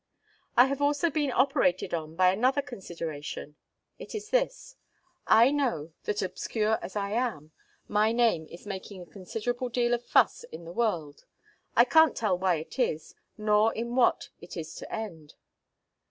I have also been operated on by another consideration. It is this: I know, that obscure as I am, my name is making a considerable deal of fuss in the world. I can't tell why it is, nor in what it is to end.